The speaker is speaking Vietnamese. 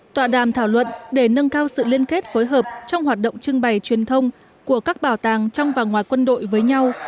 tọa đàm thảo luận để nâng cao sự liên kết phối hợp trong hoạt động trưng bày truyền thông của các bảo tàng trong và ngoài quân đội với nhau